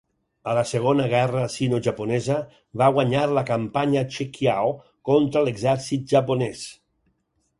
A la segona Guerra sinojaponesa, va guanyar la campanya Cheqiao contra l'exèrcit japonès.